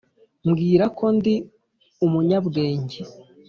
mbwira ko ndi umunyabwenge,